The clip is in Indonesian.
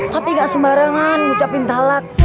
tapi gak sembarangan ngucapin talak